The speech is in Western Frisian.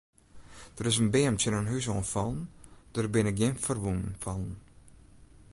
Der is in beam tsjin in hús oan fallen, der binne gjin ferwûnen fallen.